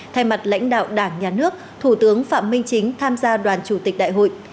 thay mặt lãnh đạo đảng nhà nước thủ tướng phạm minh chính tham gia đoàn chủ tịch đại hội